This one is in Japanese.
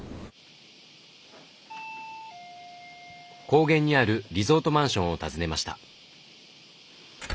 高原にあるリゾートマンションを訪ねました。